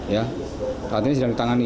ya saat ini sedang ditangani